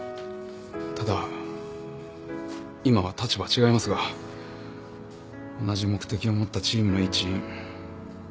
ただ今は立場は違いますが同じ目的を持ったチームの一員。